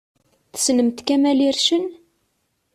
Tessnemt Kamel Ircen?